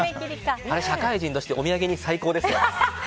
社会人としてお土産に最高ですね。